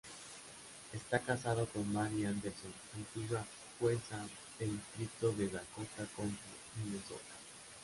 Está casado con Mary Anderson, antigua jueza del distrito de Dakota County, Minnesota.